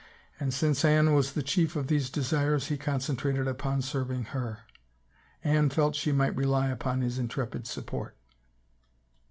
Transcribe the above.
And since Anne was the chief of these desires he concentrated upon serving her. Anne felt she might rely upon his intrepid support.